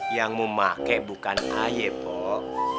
yang memake bukan aye pok